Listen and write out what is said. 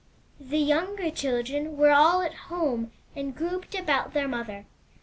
The younger children were all at home and grouped about their mother.